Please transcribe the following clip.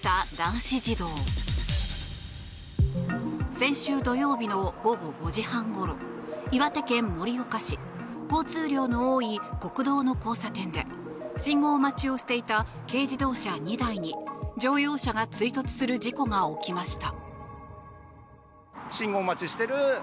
先週土曜日の午後５時半ごろ岩手県盛岡市交通量の多い国道の交差点で信号待ちをしていた軽自動車２台に乗用車が追突する事故が起きました。